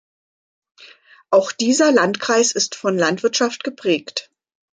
Auch dieser Landkreis ist von Landwirtschaft geprägt.